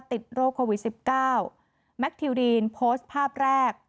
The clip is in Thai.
ติดโรคโควิด๑๙แมคทิวดีนโพสต์ภาพแรก